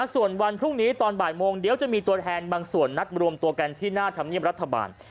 ส่วนวันพรุ่งนี้ตอนบ่ายโมงเดี๋ยวจะมีตัวแทนบางส่วนนัดรวมตัวกันที่หน้าธรรมเนียมรัฐบาล